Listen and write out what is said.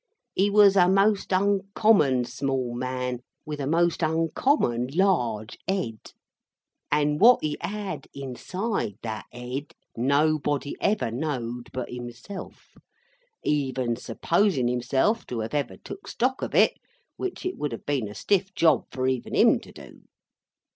He was a most uncommon small man, with a most uncommon large Ed; and what he had inside that Ed, nobody ever knowed but himself: even supposin himself to have ever took stock of it, which it would have been a stiff job for even him to do.